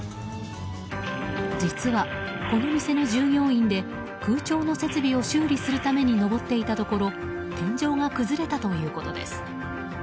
実はこの店の従業員で空調の設備を修理するために上っていたところ天井が崩れたということです。